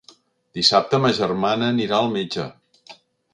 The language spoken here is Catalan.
Dissabte ma germana anirà al metge.